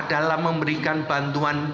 dalam memberikan bantuan